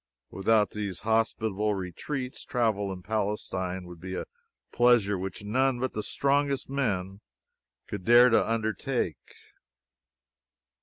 Without these hospitable retreats, travel in Palestine would be a pleasure which none but the strongest men could dare to undertake.